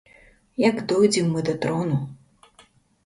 Як дойдзем мы да трону!